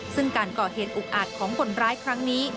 ซึ่งการก่อเหตุอุกอาจของคนร้ายครั้งนี้